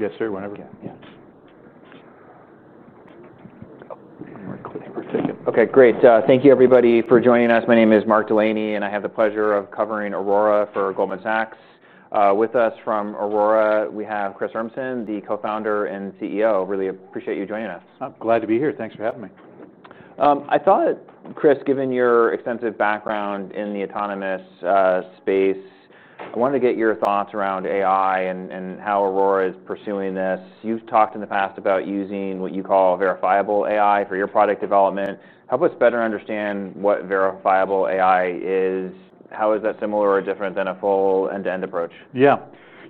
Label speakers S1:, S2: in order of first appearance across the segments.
S1: Yes, sir. Whenever.
S2: Yes.
S1: We're ticket. Okay, great. Thank you, everybody, for joining us. My name is Mark Delaney, and I have the pleasure of covering Aurora for Goldman Sachs. With us from Aurora, we have Chris Urmson, the Co-Founder and CEO. Really appreciate you joining us.
S2: Glad to be here. Thanks for having me.
S1: I thought, Chris, given your extensive background in the autonomous space, I wanted to get your thoughts around AI and how Aurora is pursuing this. You've talked in the past about using what you call verifiable AI for your product development. Help us better understand what verifiable AI is. How is that similar or different than a full end-to-end approach?
S2: Yeah,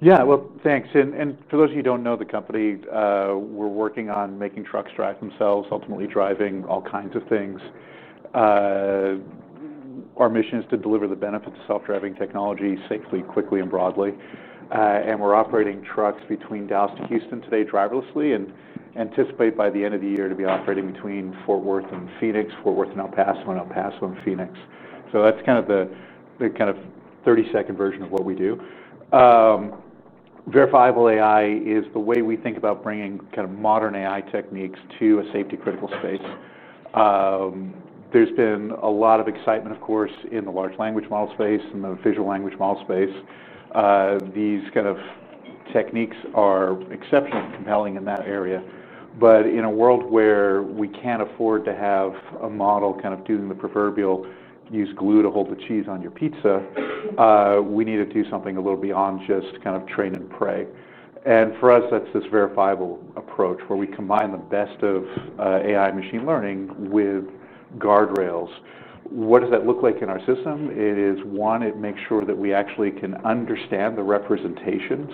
S2: yeah. Thanks. For those of you who don't know the company, we're working on making trucks drive themselves, ultimately driving all kinds of things. Our mission is to deliver the benefits of self-driving technology safely, quickly, and broadly. We're operating trucks between Dallas to Houston today driverlessly and anticipate by the end of the year to be operating between Fort Worth and Phoenix, Fort Worth and El Paso, and El Paso and Phoenix. That's kind of the 30-second version of what we do. Verifiable AI is the way we think about bringing kind of modern AI techniques to a safety-critical space. There's been a lot of excitement, of course, in the large language model space and the visual language model space. These kind of techniques are exceptionally compelling in that area. In a world where we can't afford to have a model kind of doing the proverbial "use glue to hold the cheese on your pizza," we need to do something a little beyond just kind of train and pray. For us, that's this verifiable approach where we combine the best of AI machine learning with guardrails. What does that look like in our system? It is, one, it makes sure that we actually can understand the representations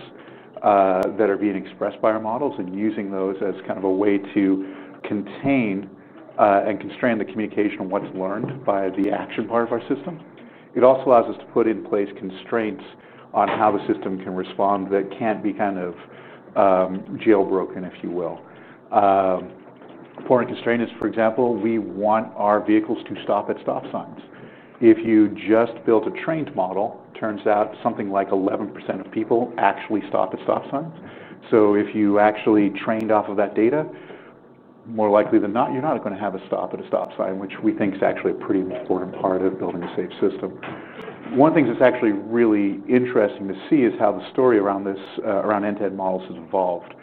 S2: that are being expressed by our models and using those as kind of a way to contain and constrain the communication of what's learned by the action part of our system. It also allows us to put in place constraints on how the system can respond that can't be kind of jailbroken, if you will. For constraint, for example, we want our vehicles to stop at stop signs. If you just built a trained model, it turns out something like 11% of people actually stop at stop signs. If you actually trained off of that data, more likely than not, you're not going to have a stop at a stop sign, which we think is actually a pretty important part of building a safe system. One of the things that's actually really interesting to see is how the story around this, around end-to-end models has evolved.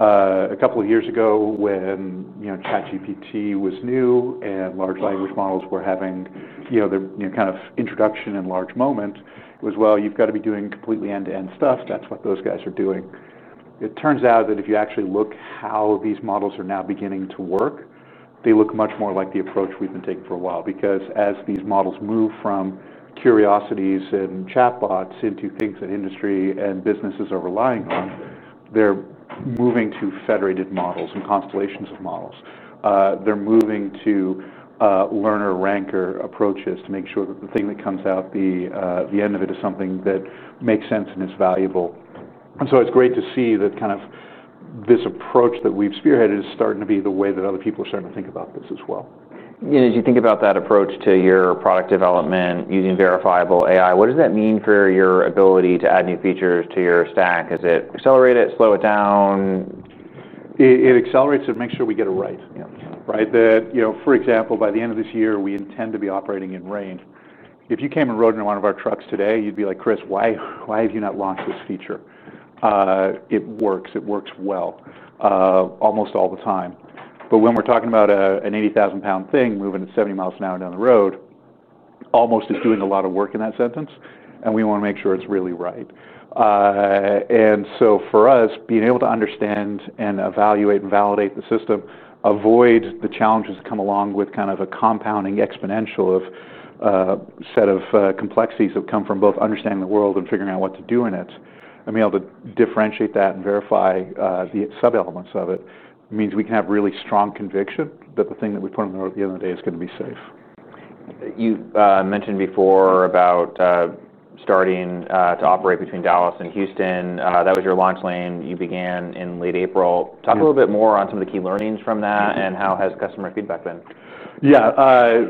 S2: A couple of years ago, when ChatGPT was new and large language models were having, you know, their kind of introduction and large moment, it was, well, you've got to be doing completely end-to-end stuff. That's what those guys are doing. It turns out that if you actually look at how these models are now beginning to work, they look much more like the approach we've been taking for a while, because as these models move from curiosities and chatbots into things that industry and businesses are relying on, they're moving to federated models and constellations of models. They're moving to learner-ranker approaches to make sure that the thing that comes out, the end of it, is something that makes sense and is valuable. It is great to see that kind of this approach that we've spearheaded is starting to be the way that other people are starting to think about this as well.
S1: As you think about that approach to your product development using verifiable AI, what does that mean for your ability to add new features to your stack? Does it accelerate it or slow it down?
S2: It accelerates it and makes sure we get it right.
S1: Yeah.
S2: Right. That, you know, for example, by the end of this year, we intend to be operating in rain. If you came and rode in one of our trucks today, you'd be like, "Chris, why have you not launched this feature?" It works. It works well almost all the time. When we're talking about an 80,000-pound thing moving at 70 miles an hour down the road, almost is doing a lot of work in that sentence. We want to make sure it's really right. For us, being able to understand and evaluate and validate the system, avoid the challenges that come along with kind of a compounding exponential set of complexities that come from both understanding the world and figuring out what to do in it, and being able to differentiate that and verify the sub-elements of it means we can have really strong conviction that the thing that we put on the road at the end of the day is going to be safe.
S1: You mentioned before about starting to operate between Dallas and Houston. That was your launch lane. You began in late April. Talk a little bit more on some of the key learnings from that, and how has customer feedback been?
S2: Yeah,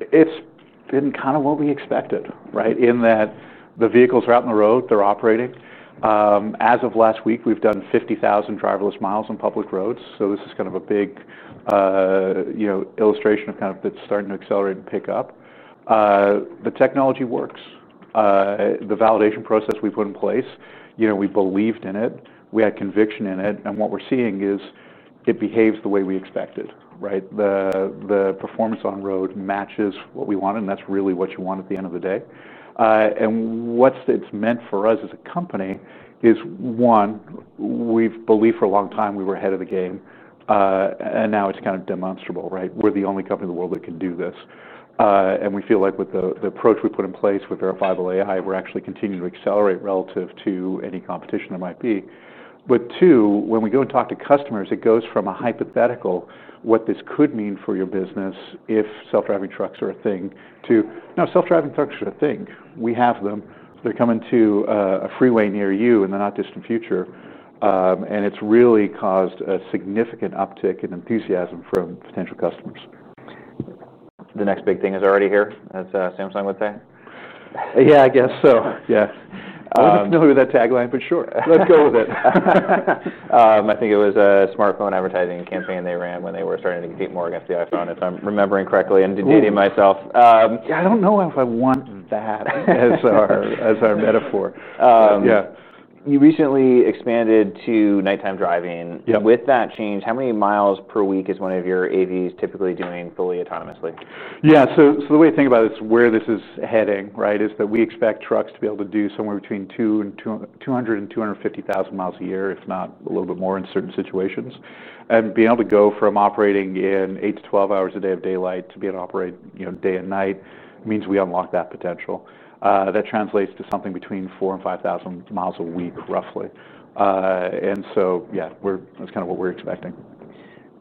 S2: it's been kind of what we expected, right? The vehicles are out on the road, they're operating. As of last week, we've done 50,000 driverless miles on public roads. This is kind of a big, you know, illustration of kind of it's starting to accelerate and pick up. The technology works. The validation process we put in place, you know, we believed in it. We had conviction in it. What we're seeing is it behaves the way we expected, right? The performance on road matches what we wanted, and that's really what you want at the end of the day. What it's meant for us as a company is, one, we've believed for a long time we were ahead of the game. Now it's kind of demonstrable, right? We're the only company in the world that can do this. We feel like with the approach we put in place with verifiable AI, we're actually continuing to accelerate relative to any competition there might be. Two, when we go and talk to customers, it goes from a hypothetical, what this could mean for your business if self-driving trucks are a thing, to now self-driving trucks are a thing. We have them. They're coming to a freeway near you in the not-distant future. It's really caused a significant uptick in enthusiasm from potential customers.
S1: The next big thing is already here, as Samsung would say.
S2: Yeah, I guess so. I'm familiar with that tagline, but sure, let's go with it.
S1: I think it was a smartphone advertising campaign they ran when they were starting to get more against the iPhone, if I'm remembering correctly. Debating myself.
S2: Yeah, I don't know if I want that as our metaphor.
S1: Yeah. You recently expanded to nighttime driving. With that change, how many miles per week is one of your AVs typically doing fully autonomously?
S2: The way to think about it is where this is heading, right, is that we expect trucks to be able to do somewhere between 200,000 and 250,000 miles a year, if not a little bit more in certain situations. Being able to go from operating in 8 to 12 hours a day of daylight to being able to operate, you know, day and night means we unlock that potential. That translates to something between 4,000 and 5,000 miles a week, roughly. That's kind of what we're expecting.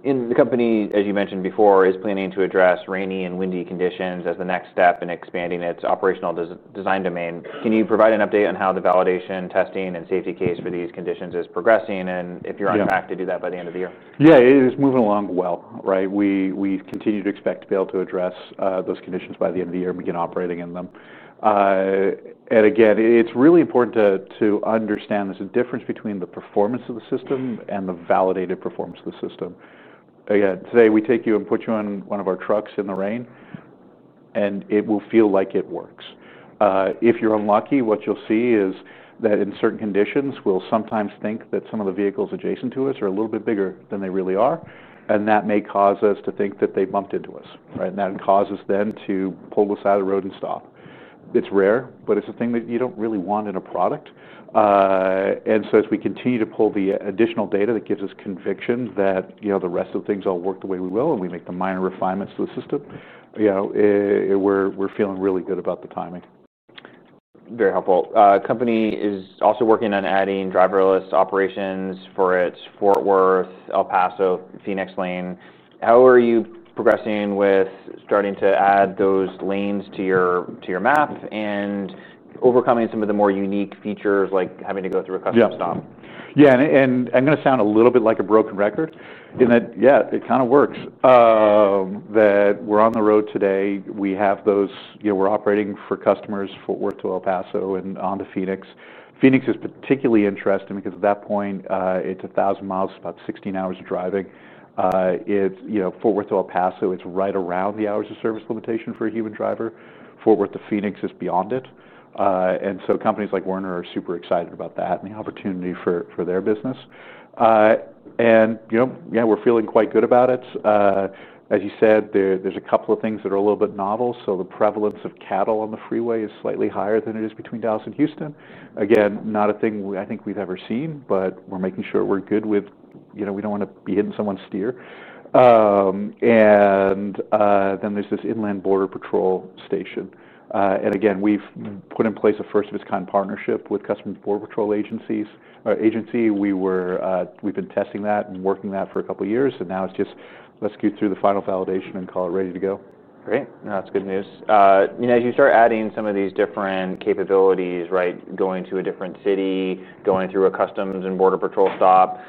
S1: The company, as you mentioned before, is planning to address rainy and windy conditions as the next step in expanding its operational design domain. Can you provide an update on how the validation, testing, and safety case for these conditions is progressing? Are you on track to do that by the end of the year?
S2: Yeah, it is moving along well, right? We continue to expect to be able to address those conditions by the end of the year and begin operating in them. It's really important to understand there's a difference between the performance of the system and the validated performance of the system. Today, we take you and put you in one of our trucks in the rain, and it will feel like it works. If you're unlucky, what you'll see is that in certain conditions, we'll sometimes think that some of the vehicles adjacent to us are a little bit bigger than they really are. That may cause us to think that they bumped into us, right? That causes them to pull us out of the road and stop. It's rare, but it's a thing that you don't really want in a product. As we continue to pull the additional data that gives us conviction that the rest of the things all work the way we will, and we make the minor refinements to the system, we're feeling really good about the timing.
S1: Very helpful. The company is also working on adding driverless operations for its Fort Worth, El Paso, Phoenix lane. How are you progressing with starting to add those lanes to your map and overcoming some of the more unique features like having to go through a customs stop?
S2: Yeah, and I'm going to sound a little bit like a broken record in that, yeah, it kind of works. We're on the road today. We have those, you know, we're operating for customers Fort Worth to El Paso and on to Phoenix. Phoenix is particularly interesting because at that point, it's 1,000 miles, about 16 hours of driving. Fort Worth to El Paso, it's right around the hours of service limitation for a human driver. Fort Worth to Phoenix is beyond it. Companies like Werner are super excited about that and the opportunity for their business. We're feeling quite good about it. As you said, there's a couple of things that are a little bit novel. The prevalence of cattle on the freeway is slightly higher than it is between Dallas and Houston. Not a thing I think we've ever seen, but we're making sure we're good with, you know, we don't want to be hitting someone's steer. There's this inland border patrol station. We've put in place a first-of-its-kind partnership with customs border patrol agencies. We've been testing that and working that for a couple of years. Now it's just, let's get through the final validation and call it ready to go.
S1: Great. That's good news. As you start adding some of these different capabilities, right, going to a different city, going through a customs and border patrol stop,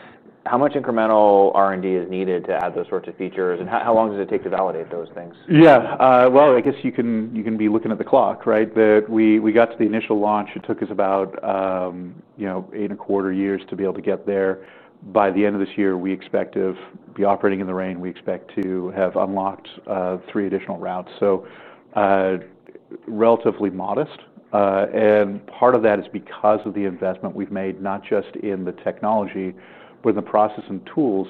S1: how much incremental R&D is needed to add those sorts of features? How long does it take to validate those things?
S2: Yeah, I guess you can be looking at the clock, right? That we got to the initial launch. It took us about, you know, eight and a quarter years to be able to get there. By the end of this year, we expect to be operating in the rain. We expect to have unlocked three additional routes. Relatively modest, and part of that is because of the investment we've made, not just in the technology, but in the process and tools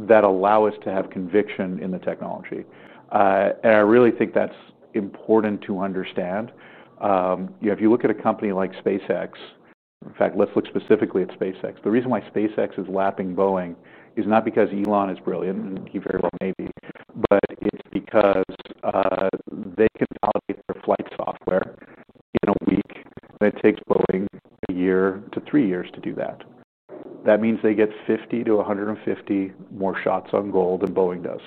S2: that allow us to have conviction in the technology. I really think that's important to understand. If you look at a company like SpaceX, in fact, let's look specifically at SpaceX. The reason why SpaceX is lapping Boeing is not because Elon is brilliant, and he very well may be, but it's because they can validate their flight software in a week. It takes Boeing a year to three years to do that. That means they get 50 to 150 more shots on goal than Boeing does.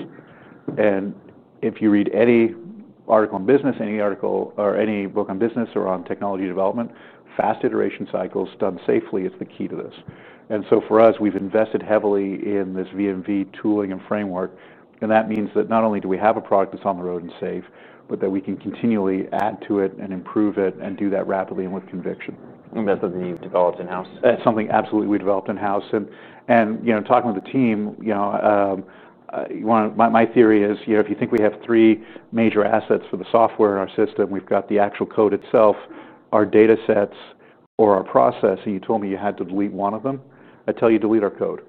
S2: If you read any article in business, any article or any book on business or on technology development, fast iteration cycles done safely is the key to this. For us, we've invested heavily in this V&V tooling and framework. That means that not only do we have a product that's on the road and safe, but that we can continually add to it and improve it and do that rapidly and with conviction.
S1: Is that something you've developed in-house?
S2: That's something absolutely we developed in-house. Talking with the team, my theory is, if you think we have three major assets for the software in our system, we've got the actual code itself, our data sets, or our process, and you told me you had to delete one of them, I'd tell you to delete our code.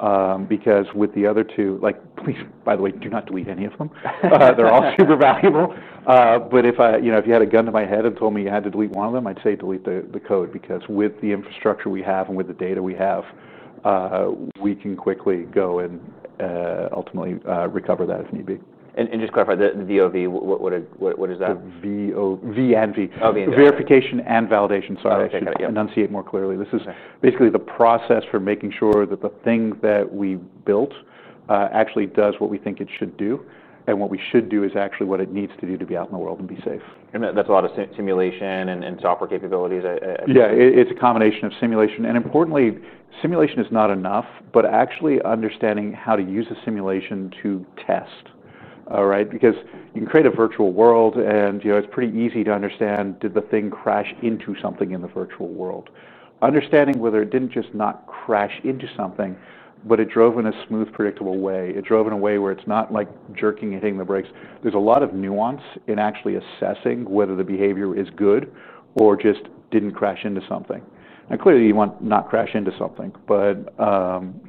S2: With the other two, please, by the way, do not delete any of them. They're all super valuable. If you had a gun to my head and told me you had to delete one of them, I'd say delete the code because with the infrastructure we have and with the data we have, we can quickly go and ultimately recover that if need be.
S1: Just clarify, the V&V, what is that? and verification (V&V) framework.
S2: Oh, V&V. Validation and verification. Sorry, I'll take that.
S1: Validation and verification.
S2: This is basically the process for making sure that the thing that we built actually does what we think it should do. What we should do is actually what it needs to do to be out in the world and be safe.
S1: That's a lot of simulation and software capabilities.
S2: Yeah, it's a combination of simulation. Importantly, simulation is not enough, but actually understanding how to use a simulation to test is important, because you can create a virtual world and it's pretty easy to understand, did the thing crash into something in the virtual world? Understanding whether it didn't just not crash into something, but it drove in a smooth, predictable way, it drove in a way where it's not like jerking and hitting the brakes. There's a lot of nuance in actually assessing whether the behavior is good or just didn't crash into something. Clearly, you want to not crash into something, but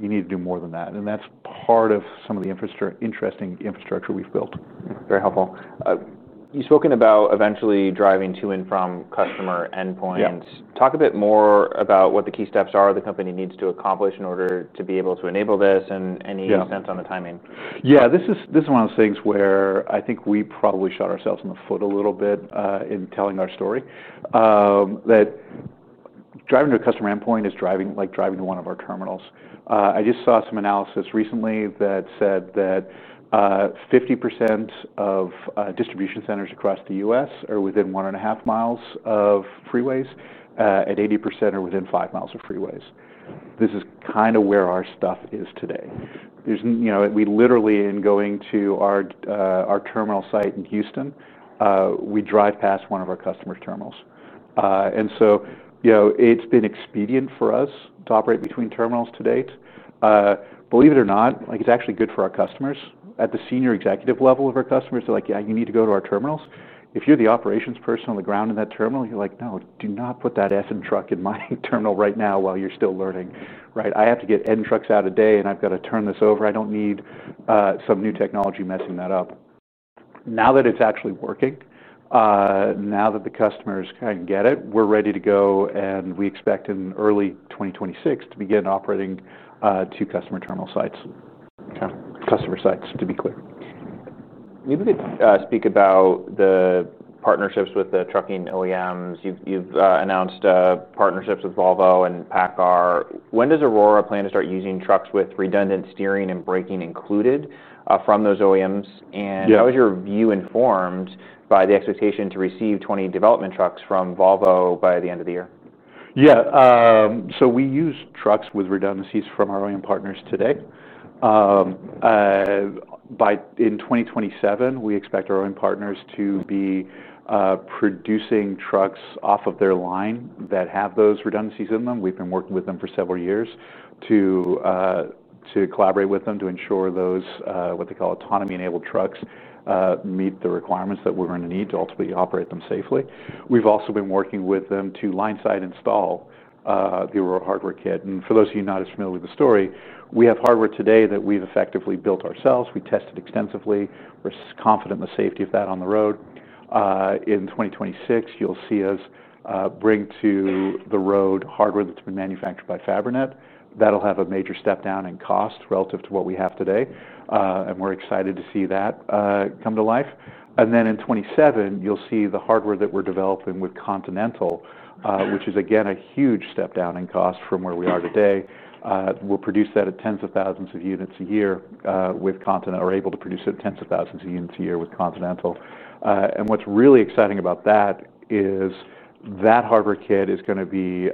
S2: you need to do more than that. That's part of some of the interesting infrastructure we've built.
S1: Very helpful. You've spoken about eventually driving to and from customer endpoints. Talk a bit more about what the key steps are the company needs to accomplish in order to be able to enable this, and any sense on the timing.
S2: Yeah, this is one of those things where I think we probably shot ourselves in the foot a little bit in telling our story. That driving to a customer endpoint is like driving to one of our terminals. I just saw some analysis recently that said that 50% of distribution centers across the U.S. are within 1.5 miles of freeways, and 80% are within 5 miles of freeways. This is kind of where our stuff is today. There's, you know, we literally, in going to our terminal site in Houston, we drive past one of our customers' terminals. It's been expedient for us to operate between terminals to date. Believe it or not, it's actually good for our customers. At the Senior Executive level of our customers, they're like, yeah, you need to go to our terminals. If you're the operations person on the ground in that terminal, you're like, no, do not put that S in truck in my terminal right now while you're still learning, right? I have to get N trucks out a day, and I've got to turn this over. I don't need some new technology messing that up. Now that it's actually working, now that the customers kind of get it, we're ready to go, and we expect in early 2026 to begin operating to customer terminal sites. Yeah, customer sites, to be clear.
S1: Maybe we could speak about the partnerships with the trucking OEMs. You've announced partnerships with Volvo and PACCAR. When does Aurora plan to start using trucks with redundant steering and braking included from those OEMs? How is your view informed by the expectation to receive 20 development trucks from Volvo by the end of the year?
S2: Yeah, so we use trucks with redundancies from our OEM partners today. In 2027, we expect our OEM partners to be producing trucks off of their line that have those redundancies in them. We've been working with them for several years to collaborate with them to ensure those, what they call autonomy-enabled trucks, meet the requirements that we're going to need to ultimately operate them safely. We've also been working with them to line-side install the Aurora hardware kit. For those of you not as familiar with the story, we have hardware today that we've effectively built ourselves. We tested extensively. We're confident in the safety of that on the road. In 2026, you'll see us bring to the road hardware that's been manufactured by Fibronet. That'll have a major step down in cost relative to what we have today. We're excited to see that come to life. In 2027, you'll see the hardware that we're developing with Continental, which is again a huge step down in cost from where we are today. We'll produce that at tens of thousands of units a year with Continental, or able to produce it at tens of thousands of units a year with Continental. What's really exciting about that is that hardware kit is going to be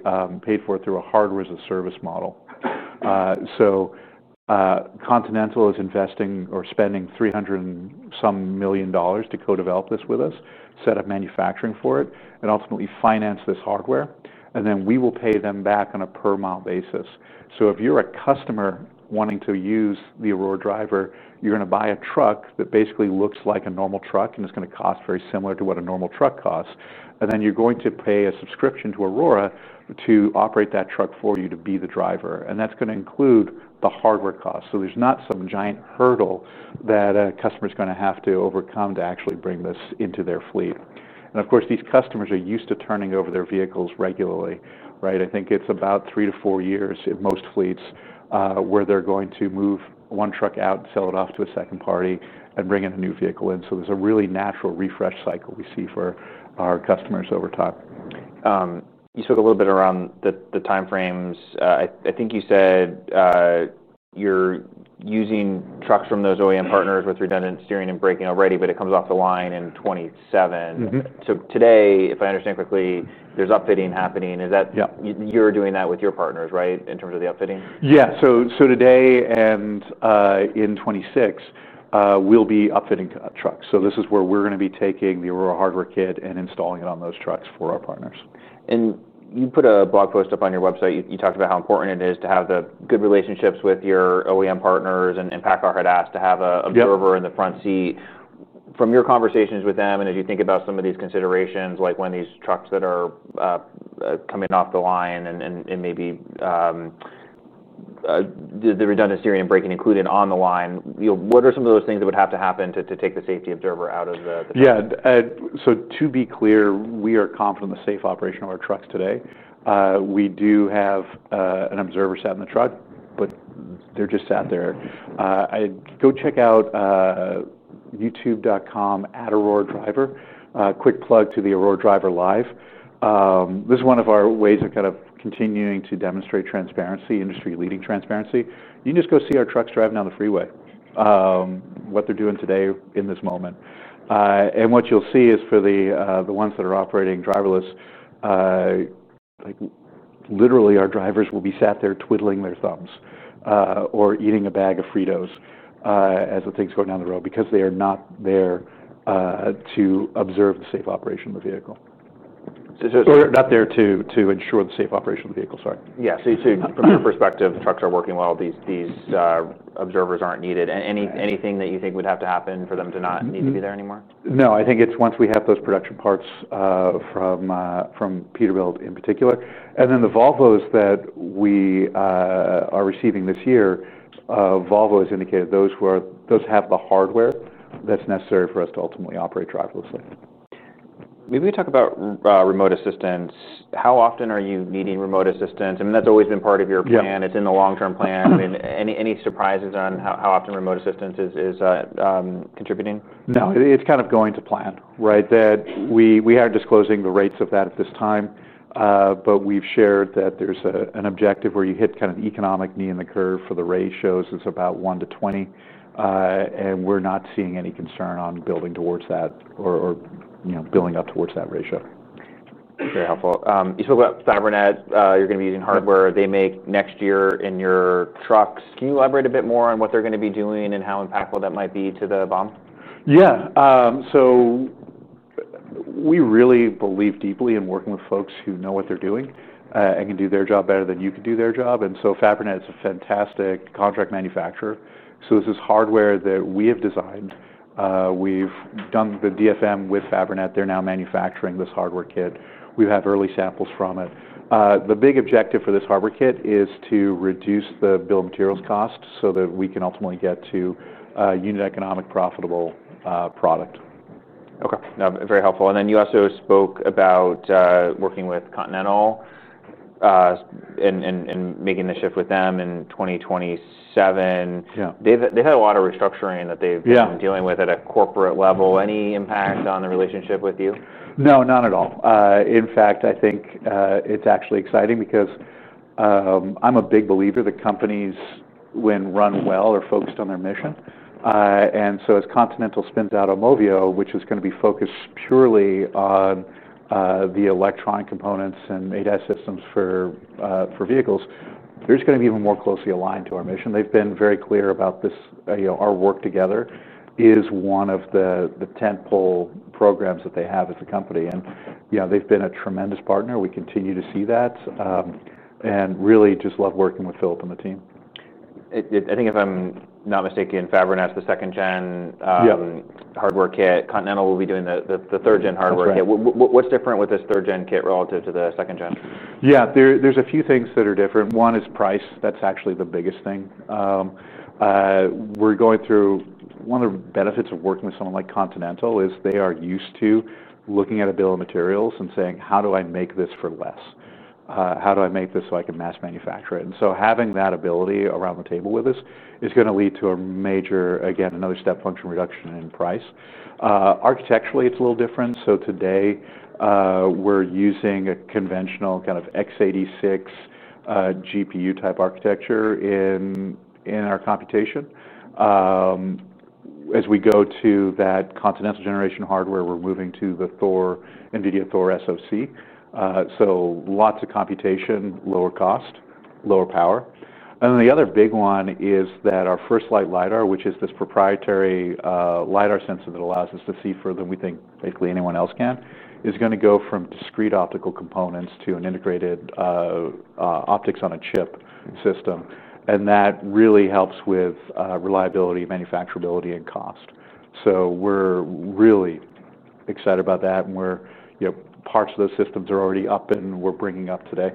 S2: paid for through a hardware-as-a-service model. Continental is investing or spending $300 million and some to co-develop this with us, set up manufacturing for it, and ultimately finance this hardware. We will pay them back on a per-mile basis. If you're a customer wanting to use the Aurora Driver, you're going to buy a truck that basically looks like a normal truck and is going to cost very similar to what a normal truck costs. You're going to pay a subscription to Aurora to operate that truck for you to be the driver. That's going to include the hardware cost. There's not some giant hurdle that a customer is going to have to overcome to actually bring this into their fleet. Of course, these customers are used to turning over their vehicles regularly, right? I think it's about three to four years in most fleets where they're going to move one truck out, sell it off to a second party, and bring a new vehicle in. There's a really natural refresh cycle we see for our customers over time.
S1: You spoke a little bit around the timeframes. I think you said you're using trucks from those OEM partners with redundant steering and braking already, but it comes off the line in 2027. Today, if I understand correctly, there's upfitting happening.
S2: Yeah.
S1: You're doing that with your partners, right, in terms of the upfitting?
S2: Yeah, today and in 2026, we'll be upfitting trucks. This is where we're going to be taking the Aurora hardware kit and installing it on those trucks for our partners.
S1: You put a blog post up on your website. You talked about how important it is to have the good relationships with your OEM partners. PACCAR had asked to have an observer in the front seat. From your conversations with them, and as you think about some of these considerations, like when these trucks that are coming off the line and maybe the redundant steering and braking included on the line, what are some of those things that would have to happen to take the safety observer out of the truck?
S2: Yeah, to be clear, we are confident in the safe operation of our trucks today. We do have an observer sat in the truck, but they're just sat there. Go check out youtube.com at Aurora Driver. Quick plug to the Aurora Driver Live. This is one of our ways of kind of continuing to demonstrate transparency, industry-leading transparency. You can just go see our trucks driving down the freeway, what they're doing today in this moment. What you'll see is for the ones that are operating driverless, like literally our drivers will be sat there twiddling their thumbs or eating a bag of Fritos as the things go down the road because they are not there to observe the safe operation of the vehicle. They're not there to ensure the safe operation of the vehicle, sorry.
S1: Yeah, from your perspective, the trucks are working well. These observers aren't needed. Anything that you think would have to happen for them to not need to be there anymore?
S2: No, I think it's once we have those production parts from Peterbilt in particular, and then the Volvos that we are receiving this year. Volvo has indicated those have the hardware that's necessary for us to ultimately operate driverlessly.
S1: Maybe we talk about remote assistance. How often are you needing remote assistance? I mean, that's always been part of your plan. It's in the long-term plan. I mean, any surprises on how often remote assistance is contributing?
S2: No, it's kind of going to plan, right? We aren't disclosing the rates of that at this time, but we've shared that there's an objective where you hit kind of the economic knee in the curve for the ratios. It's about 1 to 20. We're not seeing any concern on building towards that or building up towards that ratio.
S1: Very helpful. You spoke about Fibronet. You're going to be using hardware they make next year in your trucks. Can you elaborate a bit more on what they're going to be doing and how impactful that might be to the BOM?
S2: We really believe deeply in working with folks who know what they're doing and can do their job better than you can do their job. Fibronet is a fantastic contract manufacturer. This is hardware that we have designed. We've done the DFM with Fibronet. They're now manufacturing this hardware kit. We've had early samples from it. The big objective for this hardware kit is to reduce the bill of materials cost so that we can ultimately get to a unit economic profitable product.
S1: Okay. No, very helpful. You also spoke about working with Continental and making the shift with them in 2027.
S2: Yeah.
S1: They've had a lot of restructuring that they've been dealing with at a corporate level. Any impact on the relationship with you?
S2: No, not at all. In fact, I think it's actually exciting because I'm a big believer that companies, when run well, are focused on their mission. As Continental spins out Omovio, which is going to be focused purely on the electronic components and ADAS systems for vehicles, they're just going to be even more closely aligned to our mission. They've been very clear about this. Our work together is one of the tentpole programs that they have as a company. They've been a tremendous partner. We continue to see that and really just love working with Philip and the team.
S1: I think if I'm not mistaken, Fibronet's the second-gen hardware kit. Continental will be doing the third-gen hardware kit. What's different with this third-gen kit relative to the second-gen?
S2: Yeah, there's a few things that are different. One is price. That's actually the biggest thing. We're going through one of the benefits of working with someone like Continental is they are used to looking at a bill of materials and saying, "How do I make this for less? How do I make this so I can mass manufacture it?" Having that ability around the table with us is going to lead to a major, again, another step function reduction in price. Architecturally, it's a little different. Today, we're using a conventional kind of x86 GPU type architecture in our computation. As we go to that Continental generation hardware, we're moving to the NVIDIA Thor SoC. Lots of computation, lower cost, lower power. The other big one is that our FirstLight LiDAR, which is this proprietary LiDAR sensor that allows us to see further than we think, frankly, anyone else can, is going to go from discrete optical components to an integrated optics on a chip system. That really helps with reliability, manufacturability, and cost. We're really excited about that. Parts of those systems are already up and we're bringing up today.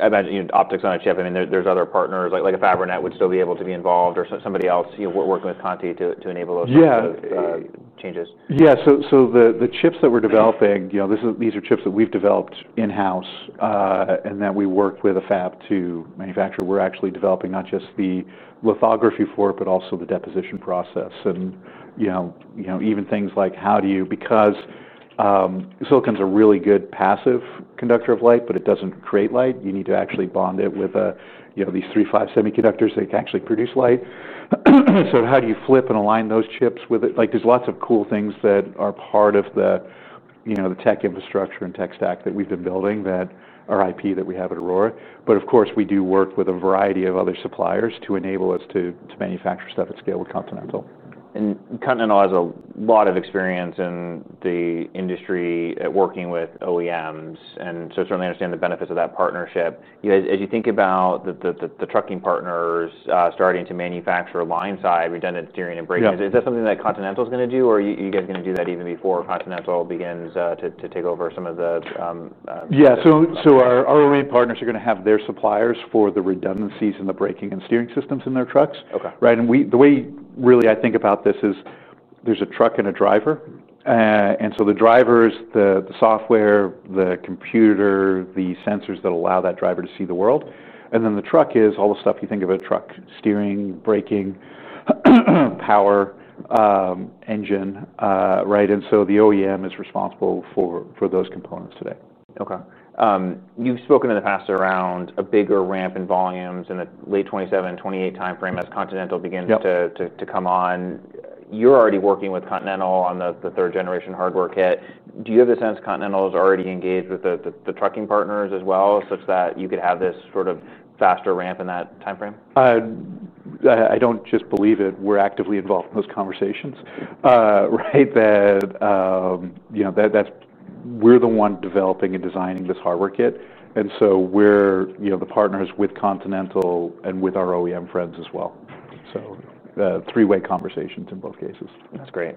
S1: I imagine, you know, optics on a chip. I mean, there's other partners like Fibronet would still be able to be involved or somebody else, you know, working with Continental to enable those changes.
S2: Yeah, so the chips that we're developing, you know, these are chips that we've developed in-house and that we worked with a fab to manufacture. We're actually developing not just the lithography for it, but also the deposition process. You know, even things like how do you, because silicon's a really good passive conductor of light, but it doesn't create light. You need to actually bond it with, you know, these three-five semiconductors that can actually produce light. How do you flip and align those chips with it? There are lots of cool things that are part of the tech infrastructure and tech stack that we've been building that are IP that we have at Aurora Innovation. Of course, we do work with a variety of other suppliers to enable us to manufacture stuff at scale with Continental.
S1: Continental has a lot of experience in the industry working with OEMs. I certainly understand the benefits of that partnership. As you think about the trucking partners starting to manufacture line-side redundant steering and braking, is that something that Continental's going to do, or are you guys going to do that even before Continental begins to take over some of the?
S2: Yeah, our OEM partners are going to have their suppliers for the redundancies and the braking and steering systems in their trucks.
S1: Okay.
S2: Right. The way I really think about this is there's a truck and a driver. The driver's the software, the computer, the sensors that allow that driver to see the world. The truck is all the stuff you think of a truck: steering, braking, power, engine, right? The OEM is responsible for those components today.
S1: Okay. You've spoken in the past around a bigger ramp in volumes in the late 2027, 2028 timeframe as Continental begins to come on. You're already working with Continental on the third-generation hardware kit. Do you have the sense Continental is already engaged with the trucking partners as well, such that you could have this sort of faster ramp in that timeframe?
S2: I don't just believe it. We're actively involved in those conversations, right? We're the one developing and designing this hardware kit, and we're the partners with Continental and with our OEM friends as well. The three-way conversations in both cases.
S1: That's great.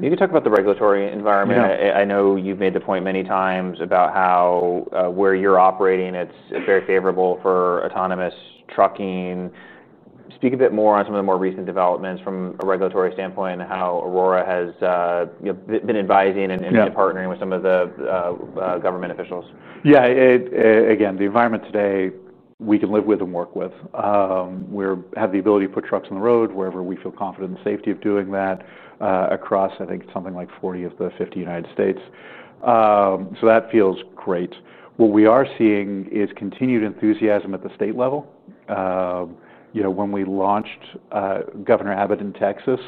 S1: Maybe talk about the regulatory environment. I know you've made the point many times about how, where you're operating, it's very favorable for autonomous trucking. Speak a bit more on some of the more recent developments from a regulatory standpoint and how Aurora has been advising and partnering with some of the government officials.
S2: Yeah, the environment today, we can live with and work with. We have the ability to put trucks on the road wherever we feel confident in the safety of doing that, across, I think, something like 40 of the 50 United States. That feels great. What we are seeing is continued enthusiasm at the state level. You know, when we launched, Governor Abbott in Texas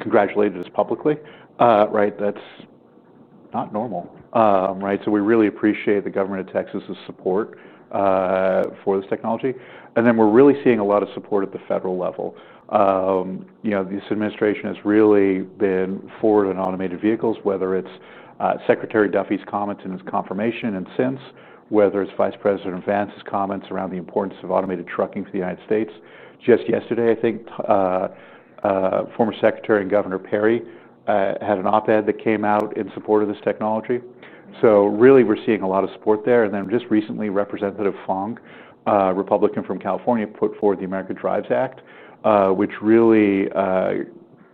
S2: congratulated us publicly, right? That's not normal, right? We really appreciate the government of Texas' support for this technology. We are really seeing a lot of support at the federal level. You know, this administration has really been forward on automated vehicles, whether it's Secretary Duffy's comments in his confirmation and since, whether it's Vice President Vance's comments around the importance of automated trucking for the United States. Just yesterday, I think, former Secretary and Governor Perry had an op-ed that came out in support of this technology. We are seeing a lot of support there. Just recently, Representative Fong, a Republican from California, put forward the American Drives Act, which really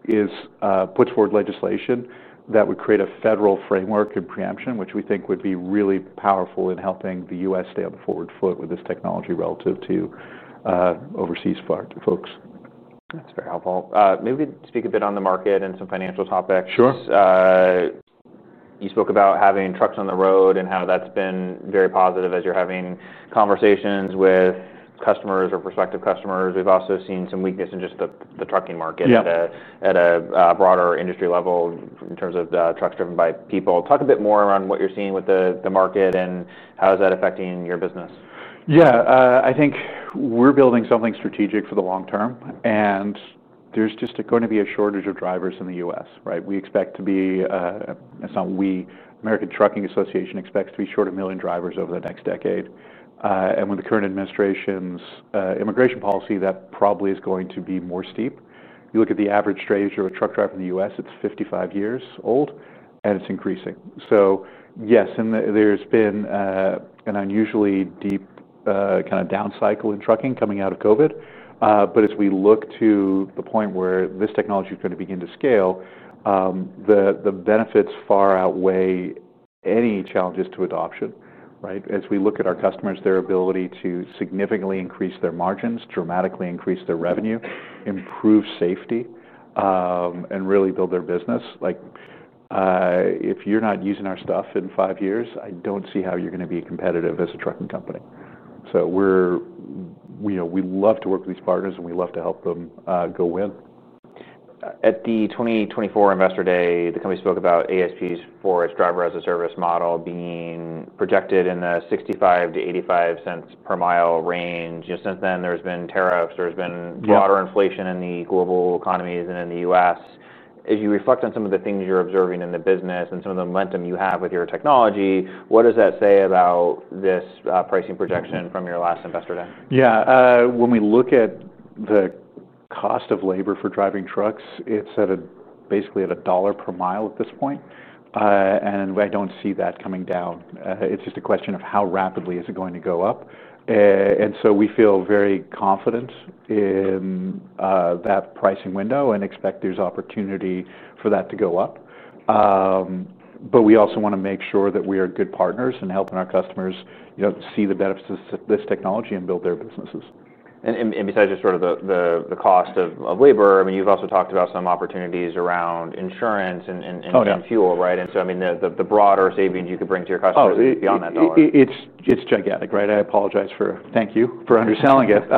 S2: puts forward legislation that would create a federal framework and preemption, which we think would be really powerful in helping the U.S. stay on the forward foot with this technology relative to overseas folks.
S1: That's very helpful. Maybe we could speak a bit on the market and some financial topics.
S2: Sure.
S1: You spoke about having trucks on the road and how that's been very positive as you're having conversations with customers or prospective customers. We've also seen some weakness in just the trucking market at a broader industry level in terms of trucks driven by people. Talk a bit more around what you're seeing with the market and how is that affecting your business?
S2: Yeah, I think we're building something strategic for the long term. There's just going to be a shortage of drivers in the U.S., right? We expect to be, it's not we, American Trucking Association expects to be short a million drivers over the next decade. With the current administration's immigration policy, that probably is going to be more steep. You look at the average truck driver in the U.S., it's 55 years old and it's increasing. Yes, there's been an unusually deep kind of down cycle in trucking coming out of COVID. As we look to the point where this technology is going to begin to scale, the benefits far outweigh any challenges to adoption, right? As we look at our customers, their ability to significantly increase their margins, dramatically increase their revenue, improve safety, and really build their business. If you're not using our stuff in five years, I don't see how you're going to be competitive as a trucking company. We love to work with these partners and we love to help them go win.
S1: At the 2024 Investor Day, the company spoke about ASPs for its driver-as-a-service model being projected in the $0.65 to $0.85 per mile range. Since then, there's been tariffs. There's been broader inflation in the global economies and in the U.S. As you reflect on some of the things you're observing in the business and some of the momentum you have with your technology, what does that say about this pricing projection from your last Investor Day?
S2: When we look at the cost of labor for driving trucks, it's basically at $1 per mile at this point. I don't see that coming down. It's just a question of how rapidly it is going to go up. We feel very confident in that pricing window and expect there's opportunity for that to go up. We also want to make sure that we are good partners in helping our customers, you know, see the benefits of this technology and build their businesses.
S1: Besides just sort of the cost of labor, you've also talked about some opportunities around insurance and fuel, right? The broader savings you could bring to your customers go beyond that dollar.
S2: Oh, it's gigantic, right? I apologize for, thank you for underselling it.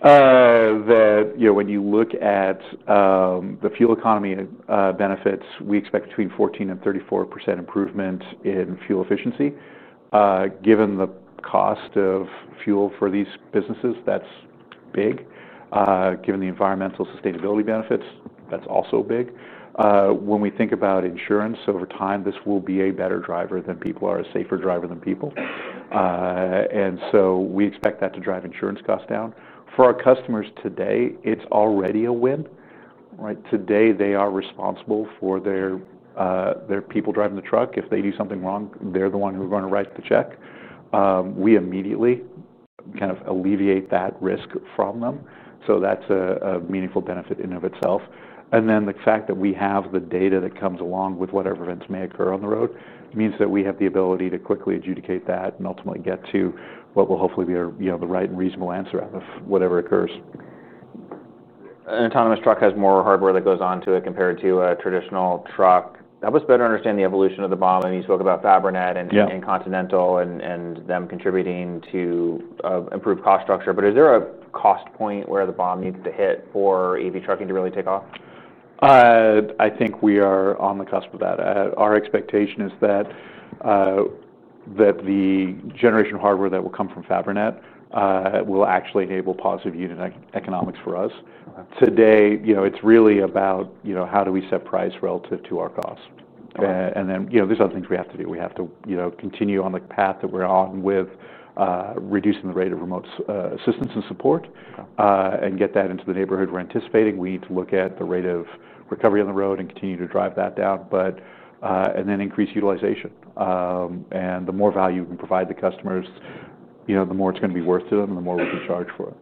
S2: That, you know, when you look at the fuel economy benefits, we expect between 14% and 34% improvement in fuel efficiency. Given the cost of fuel for these businesses, that's big. Given the environmental sustainability benefits, that's also big. When we think about insurance over time, this will be a better driver than people are, a safer driver than people. We expect that to drive insurance costs down. For our customers today, it's already a win, right? Today, they are responsible for their people driving the truck. If they do something wrong, they're the one who's going to write the check. We immediately kind of alleviate that risk from them. That's a meaningful benefit in and of itself. The fact that we have the data that comes along with whatever events may occur on the road means that we have the ability to quickly adjudicate that and ultimately get to what will hopefully be the right and reasonable answer out of whatever occurs.
S1: An autonomous truck has more hardware that goes on to it compared to a traditional truck. I must better understand the evolution of the BOM. I mean, you spoke about Fibronet and Continental and them contributing to improved cost structure. Is there a cost point where the BOM needs to hit for AV trucking to really take off?
S2: I think we are on the cusp of that. Our expectation is that the generation of hardware that will come from Fibronet will actually enable positive unit economics for us. Today, it's really about how do we set price relative to our costs? There are other things we have to do. We have to continue on the path that we're on with reducing the rate of remote assistance and support and get that into the neighborhood we're anticipating. We need to look at the rate of recovery on the road and continue to drive that down, then increase utilization. The more value we can provide the customers, the more it's going to be worth to them and the more we can charge for it.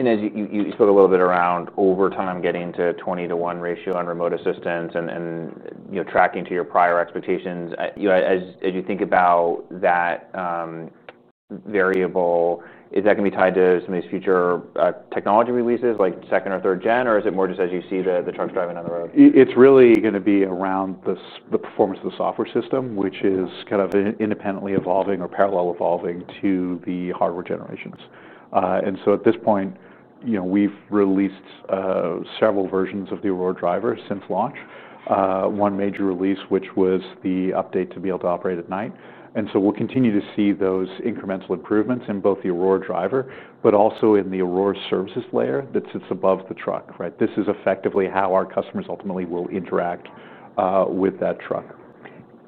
S1: As you spoke a little bit around over time getting to 20:1 ratio on remote assistance and tracking to your prior expectations, as you think about that variable, is that going to be tied to some of these future technology releases, like second or third gen, or is it more just as you see the trucks driving on the road?
S2: It's really going to be around the performance of the software system, which is kind of independently evolving or parallel evolving to the hardware generations. At this point, you know, we've released several versions of the Aurora Driver since launch. One major release, which was the update to be able to operate at night. We'll continue to see those incremental improvements in both the Aurora Driver, but also in the Aurora Services layer that sits above the truck, right? This is effectively how our customers ultimately will interact with that truck.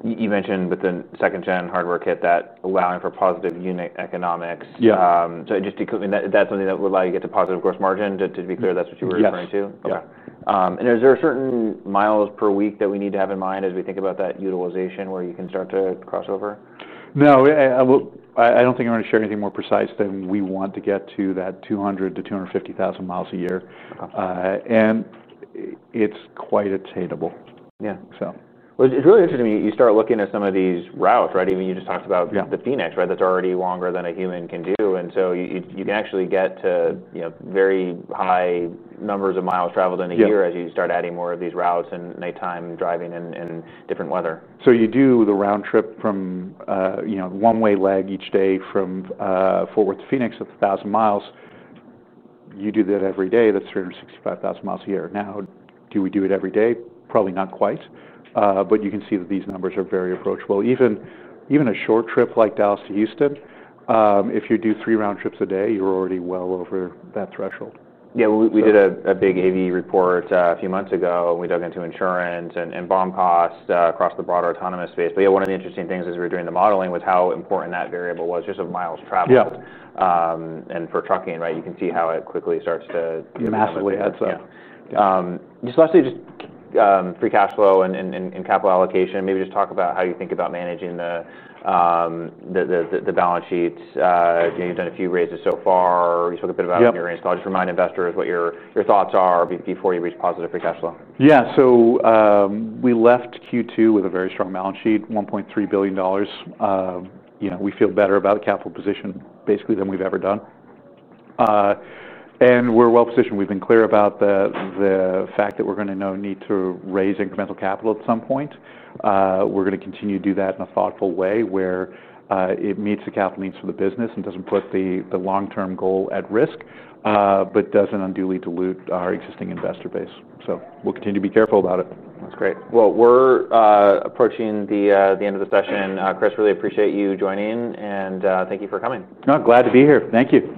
S1: You mentioned with the second-generation hardware kit that allowing for positive unit economics.
S2: Yeah.
S1: Just to, I mean, that's something that would allow you to get to positive gross margin. To be clear, that's what you were referring to?
S2: Yeah.
S1: Is there a certain miles per week that we need to have in mind as we think about that utilization where you can start to cross over?
S2: No, I don't think I'm going to share anything more precise than we want to get to that 200,000 to 250,000 miles a year, and it's quite attainable.
S1: Yeah.
S2: So.
S1: It's really interesting to me. You start looking at some of these routes, right? Even you just talked about the Phoenix, right? That's already longer than a human can do. You can actually get to very high numbers of miles traveled in a year as you start adding more of these routes and nighttime driving and different weather.
S2: You do the round trip from, you know, one-way leg each day from Fort Worth to Phoenix. That's 1,000 miles. You do that every day. That's 365,000 miles a year. Now, do we do it every day? Probably not quite. You can see that these numbers are very approachable. Even a short trip like Dallas to Houston, if you do three round trips a day, you're already well over that threshold.
S1: Yeah, we did a big AV report a few months ago, and we dug into insurance and BOM costs across the broader autonomous space. One of the interesting things as we were doing the modeling was how important that variable was, just of miles traveled.
S2: Yeah.
S1: For trucking, right? You can see how it quickly starts to.
S2: Massively adds up.
S1: Just lastly, just free cash flow and capital allocation. Maybe just talk about how you think about managing the balance sheets. You've done a few raises so far. You spoke a bit about your raise call. Just remind investors what your thoughts are before you reach positive free cash flow.
S2: Yeah, so we left Q2 with a very strong balance sheet, $1.3 billion. We feel better about the capital position basically than we've ever done, and we're well positioned. We've been clear about the fact that we're going to need to raise incremental capital at some point. We're going to continue to do that in a thoughtful way where it meets the capital needs for the business and doesn't put the long-term goal at risk, but doesn't unduly dilute our existing investor base. We'll continue to be careful about it.
S1: That's great. We're approaching the end of the session. Chris, really appreciate you joining and thank you for coming.
S2: No, glad to be here. Thank you.